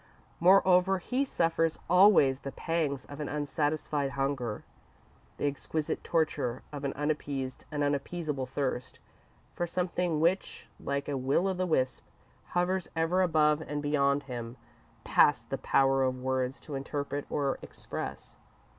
Moreover, he suffers always the pangs of an unsatisfied hunger, the exquisite torture of an unappeased and unappeasable thirst, for something which, like a will o' the wisp, hovers ever above and beyond him, past the power of words to interpret or express.